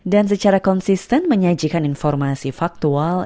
dan secara konsisten menyajikan informasi faktual